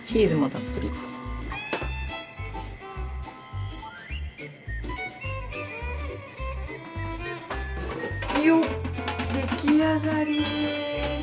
出来上がりです。